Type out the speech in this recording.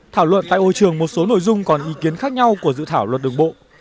thảo luận tại hội trường một số nội dung còn ý kiến khác nhau của dự thảo luật đường bộ